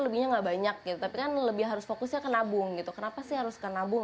lebihnya nggak banyak gitu tapi kan lebih harus fokusnya ke nabung gitu kenapa sih harus ke nabung